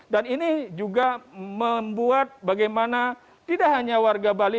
dan ini juga membuat bagaimana tidak hanya warga bali